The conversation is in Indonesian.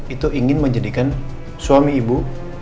itu ingin menjadikan suami ibu